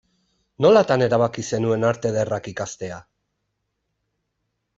Nolatan erabaki zenuen Arte Ederrak ikastea?